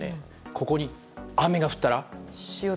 ここに雨が降ったら？